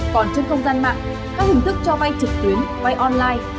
còn trên không gian mạng các hình thức cho vay trực tuyến vay online